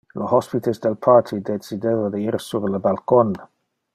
Le hospites del party decideva de ir sur le balcon.